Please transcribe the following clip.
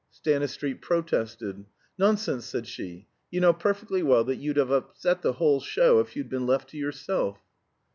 Stanistreet protested. "Nonsense," said she; "you know perfectly well that you'd have upset the whole show if you'd been left to yourself."